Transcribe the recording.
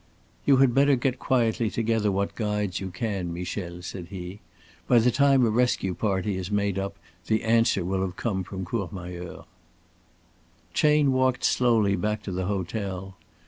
"You had better get quietly together what guides you can, Michel," he said. "By the time a rescue party is made up the answer will have come from Courmayeur." Chayne walked slowly back to the hotel.